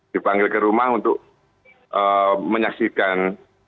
dipanggil ke rumah untuk menyaksikan